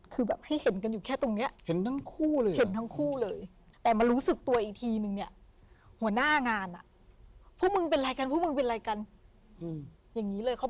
คือแบบให้เห็นกันอยู่แค่ตรงนี้